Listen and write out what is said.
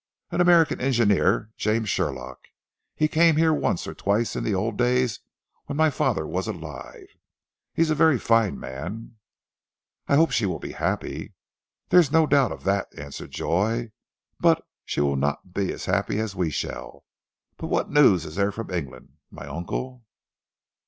"An American engineer, James Sherlock. He came here once or twice in the old days when my father was alive. He is a very fine man." "I hope she will be happy." "There is no doubt of that," answered Joy, "but she will not be as happy as we shall. But what news is there from England? My uncle?"